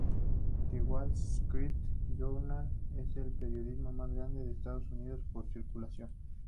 The Wall Street Journal es el periódico más grande de Estados Unidos por circulación.